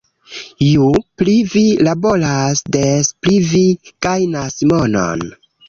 Ju pli vi laboras, des pli vi gajnas monon